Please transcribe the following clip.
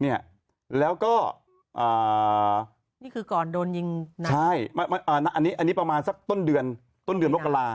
เนี่ยแล้วก็นี่คือก่อนโดนยิงนะใช่อันนี้ประมาณสักต้นเดือนต้นเดือนมกรา